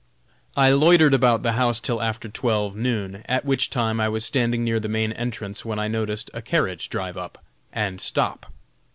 I loitered about the house till after twelve, noon, at which time I was standing near the main entrance when I noticed a carriage drive up and stop.